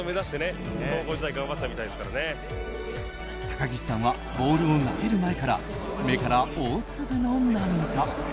高岸さんはボールを投げる前から目から大粒の涙。